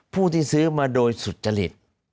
ผู้ที่ซื้อมาโดยสุจริต